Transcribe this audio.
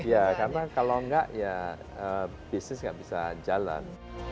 ya karena kalau enggak ya bisnis enggak bisa jalan